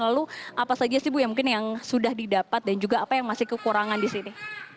lalu apa saja sih bu ya mungkin yang sudah didapat dan juga apa yang masih kekurangan di sini